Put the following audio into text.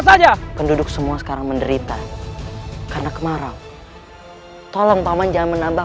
saja penduduk semua sekarang menderita karena kemarau tolong paman jangan menambah